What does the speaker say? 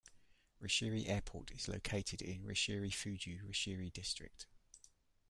Rishiri Airport is located in Rishirifuji, Rishiri District.